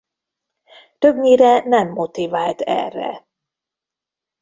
Többnyire nem motivált erre.